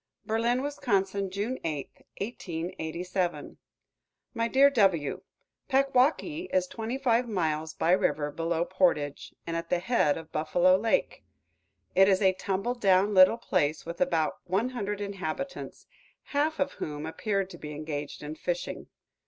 BERLIN, WIS., June 8, 1887. My dear W : Packwaukee is twenty five miles by river below Portage, and at the head of Buffalo Lake. It is a tumble down little place, with about one hundred inhabitants, half of whom appeared to be engaged in fishing.